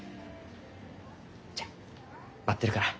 じゃ待ってるから。